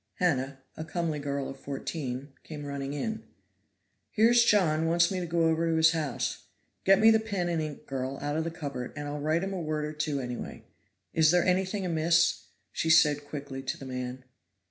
Hannah, a comely girl of fourteen, came running in. "Here's John wants me to go over to his house. Get me the pen and ink, girl, out of the cupboard, and I'll write him a word or two any way. Is there anything amiss?" said she quickly to the man.